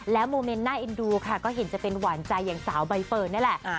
โมเมนต์น่าเอ็นดูค่ะก็เห็นจะเป็นหวานใจอย่างสาวใบเฟิร์นนี่แหละ